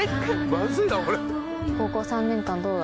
まずいなこれ。